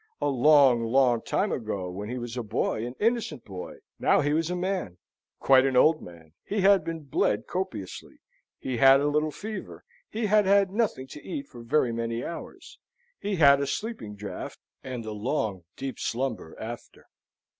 A long, long time ago, when he was a boy, an innocent boy. Now he was a man, quite an old man. He had been bled copiously; he had a little fever; he had had nothing to eat for very many hours; he had a sleeping draught, and a long, deep slumber after.